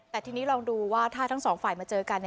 แต่ทีนี้ลองดูว่าถ้าทั้งสองฝ่ายมาเจอกัน